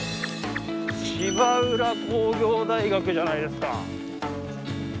芝浦工業大学じゃないですか。